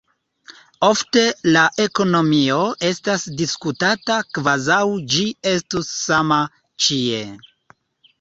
Ofte la ekonomio estas diskutata kvazaŭ ĝi estus sama ĉie.